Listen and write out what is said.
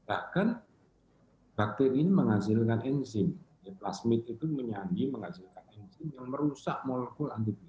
bahkan bakteri ini menghasilkan enzim plasmid itu menyanyi menghasilkan enzim yang merusak molekul antibiotik